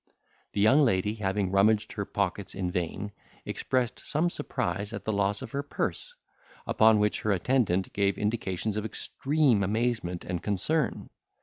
The young lady, having rummaged her pockets in vain, expressed some surprise at the loss of her purse; upon which her attendant gave indications of extreme amazement and concern.